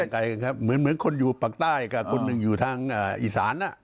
ไกลครับเหมือนคนอยู่ปากใต้กับคนหนึ่งอยู่ทางอีสาน